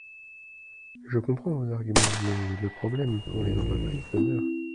Je comprends vos arguments, mais le problème, pour les entreprises, demeure.